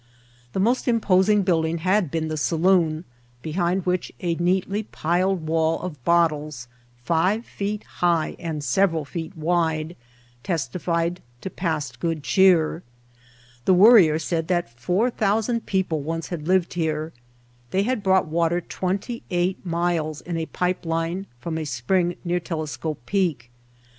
The most imposing building had been the saloon, behind which a neatly piled wall of bottles, five feet high and several feet wide, testified to past good cheer. The Worrier said that four thousand people once had lived here. They had brought water twenty eight miles in a pipe line from a spring near Telescope Peak.